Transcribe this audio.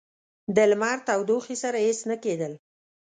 د لمر تودوخې سره هیڅ نه کېدل.